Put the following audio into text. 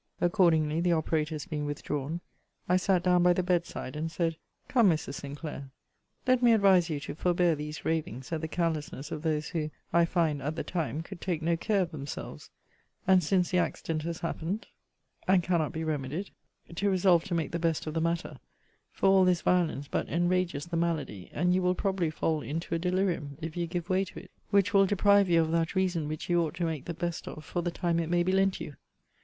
Accordingly, the operators being withdrawn, I sat down by the bed side, and said, Come, Mrs. Sinclair, let me advise you to forbear these ravings at the carelessness of those, who, I find, at the time, could take no care of themselves; and since the accident has happened, and cannot be remedied, to resolve to make the best of the matter: for all this violence but enrages the malady, and you will probably fall into a delirium, if you give way to it, which will deprive you of that reason which you ought to make the best of for the time it may be lent you.